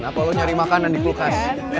apa lo nyari makanan di kulkas